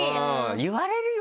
言われるよね。